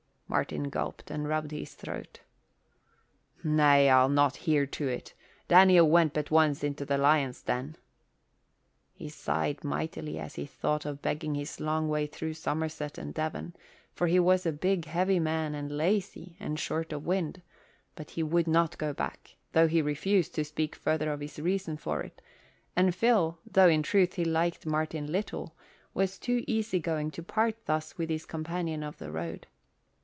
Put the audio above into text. Martin gulped and rubbed his throat. "Nay, I'll not hear to it. Daniel went but once into the lion's den." He sighed mightily as he thought of begging his long way through Somerset and Devon, for he was a big heavy man and lazy and short of wind; but he would not go back, though he refused to speak further of his reason for it; and Phil, though in truth he liked Martin little, was too easy going to part thus with his companion of the road.